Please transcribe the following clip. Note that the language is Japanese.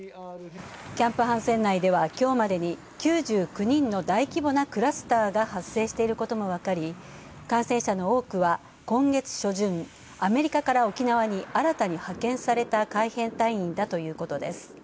キャンプ・ハンセン内ではきょうまでに９９人の大規模なクラスターが発生していることも分かり感染者の多くは今月初旬アメリカから沖縄に新たに派遣された海兵隊員だとしています。